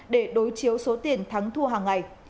để đối chiếu số tiền thắng thua hàng ngày